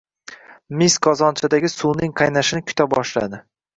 mis qozonchadagi suvning qaynashini kuta boshladi.